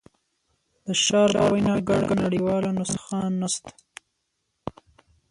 د شارپ په وینا ګډه نړیواله نسخه نشته.